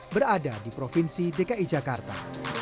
hal ini ternyata berada di provinsi dki jakarta